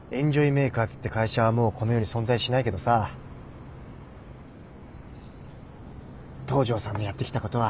メーカーズって会社はもうこの世に存在しないけどさ東城さんのやってきたことは。